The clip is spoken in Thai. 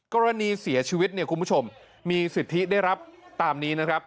กรณีเสียชีวิตเนี่ยคุณผู้ชมมีสิทธิได้รับตามนี้นะครับ